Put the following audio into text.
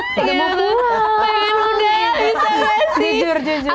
pengen udah bisa apa sih